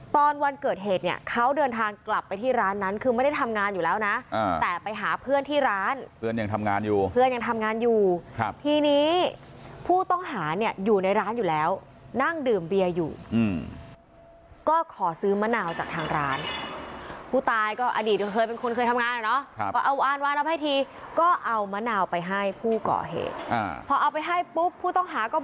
ตอนวันเกิดเหตุเนี่ยเขาเดินทางกลับไปที่ร้านนั้นคือไม่ได้ทำงานอยู่แล้วนะแต่ไปหาเพื่อนที่ร้านเพื่อนยังทำงานอยู่เพื่อนยังทำงานอยู่ครับทีนี้ผู้ต้องหาเนี่ยอยู่ในร้านอยู่แล้วนั่งดื่มเบียร์อยู่ก็ขอซื้อมะนาวจากทางร้านผู้ตายก็อดีตเคยเป็นคนเคยทำงานอ่ะเนาะพอเอาให้ทีก็เอามะนาวไปให้ผู้ก่อเหตุพอเอาไปให้ปุ๊บผู้ต้องหาก็